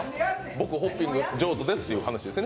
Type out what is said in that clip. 僕、ホッピング上手ですって話でしょ。